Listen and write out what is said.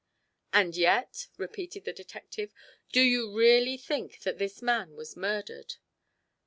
"And yet," repeated the detective, "do you really think that this man was murdered?"